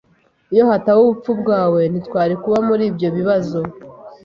Iyo hataba ubupfu bwawe, ntitwari kuba muri ibyo bibazo.